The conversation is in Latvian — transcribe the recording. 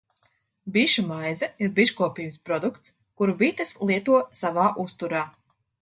Bišu maize ir biškopības produkts, kuru bites lieto savā uzturā.